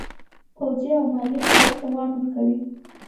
پوځي او مالي قوت توان ورکوي.